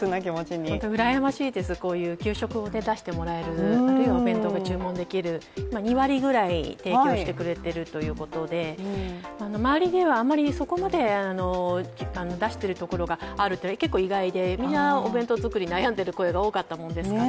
うらやましいです、給食を出してもらえる、お弁当を出してくれる、２割ぐらい提供してくれてるということで周りではあまりそこまで、出しているところがあるというのは、結構意外でみんなお弁当作り、悩んでいる声が多かったので。